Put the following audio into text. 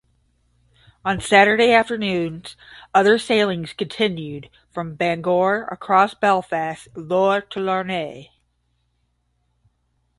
On Saturday afternoons other sailings continued from Bangor across Belfast Lough to Larne.